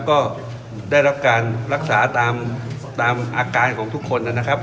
ก็ได้รับการรักษาตามอาการของทุกคนนะครับ